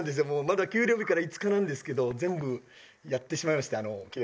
まだ給料日から５日なんですけど全部やってしまいまして競馬の方で。